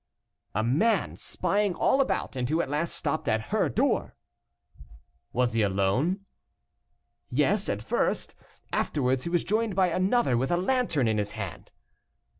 "A man spying all about and who at last stopped at her door." "Was he alone?" "Yes, at first. Afterwards he was joined by another, with a lantern in his hand."